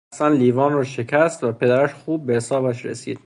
حسن لیوان را شکست و پدرش خوب به حسابش رسید.